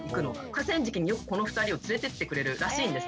河川敷によくこの２人を連れてってくれるらしいんです。